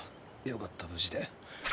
よかった無事で。